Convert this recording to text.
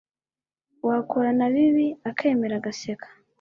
wakora na bibi akemera agaseka